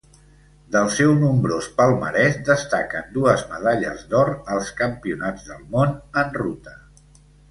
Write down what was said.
Del seu nombrós palmarès destaquen dues medalles d'or als Campionats del Món en Ruta.